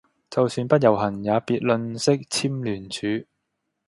就算不遊行也別吝嗇簽聯署